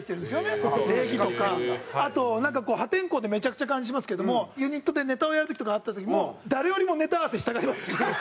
あと破天荒でめちゃくちゃな感じしますけどもユニットでネタをやる時とかあった時も誰よりもネタ合わせしたがりますし。